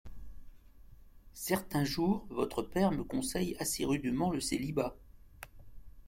Certain jour, votre père me conseille assez rudement le célibat.